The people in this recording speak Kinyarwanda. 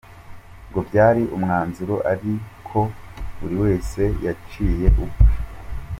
Ngo byari umwanzuro ariko buri wese yaciye ukwe.